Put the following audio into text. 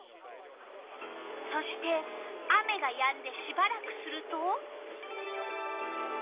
そして雨がやんでしばらくすると。